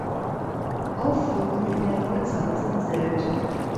Aufführungen in der Neuzeit sind selten.